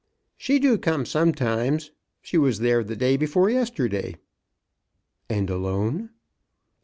"She do come sometimes. She was there the day before yesterday." "And alone?"